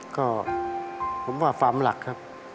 ก็ผมว่าความหลักครับ